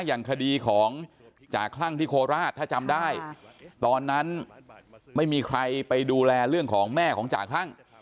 อย่างคดีของจ่าคลั่งที่โคราชถ้าจำได้ตอนนั้นไม่มีใครไปดูแลเรื่องของแม่ของจ่าคลั่ง